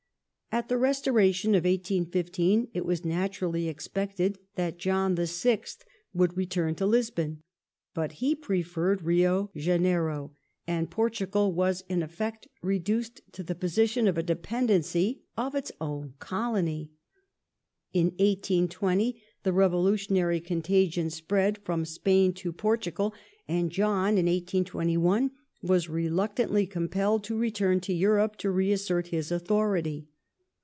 At the restoration of 1815 it was naturally expected that John VI. would return to Lisbon ; but he preferred Rio Janejro, and Portugal was in effect reduced to the position of a dependency of its own colony. In 1820, the revolutionary contagion^spread^'from SjTain to Portugal, and John, in 1821, was reluctantly compelled to return to Europe to reassert his authority.